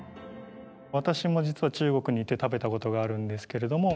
私も実は中国に行って食べたことがあるんですけれども。